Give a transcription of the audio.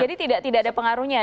jadi tidak ada pengaruhnya